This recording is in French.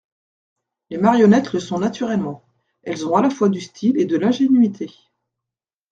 Les marionnettes le sont naturellement : elles ont à la fois du style et de l'ingénuité.